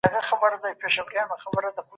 استقامت د ژوند په سختو حالاتو کې انسان قوي کوي.